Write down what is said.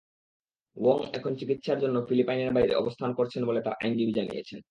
Wong এখন চিকিৎসার জন্য ফিলিপাইনের বাইরে অবস্থান করছেন বলে তাঁর আইনজীবী জানিয়েছেন।